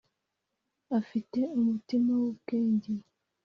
afite umutima w’ubwenge